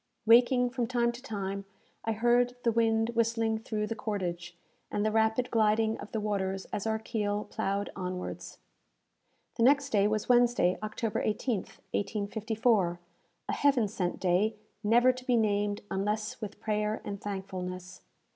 Waking from time to time, I heard the wind whistling through the cordage, and the rapid gliding of the waters as our keel ploughed onwards. The next day was Wednesday, October 18th, 1854 a heaven sent day, never to be named unless with prayer and thankfulness!